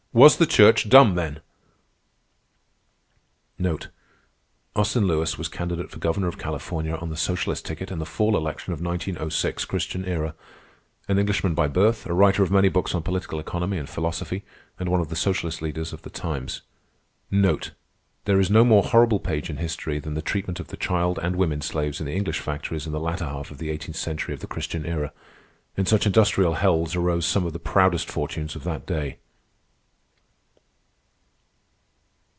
Was the Church dumb then?" Candidate for Governor of California on the Socialist ticket in the fall election of 1906 Christian Era. An Englishman by birth, a writer of many books on political economy and philosophy, and one of the Socialist leaders of the times. There is no more horrible page in history than the treatment of the child and women slaves in the English factories in the latter half of the eighteenth century of the Christian Era. In such industrial hells arose some of the proudest fortunes of that day.